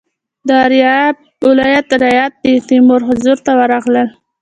د ایریاب د ولایت رعیت د تیمور حضور ته ورغلل.